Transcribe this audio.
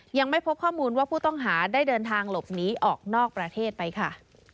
ยังไม่พบข้อมูลว่าผู้ต้องหาได้เดินทางหลบหนีออกนอกประเทศไปค่ะ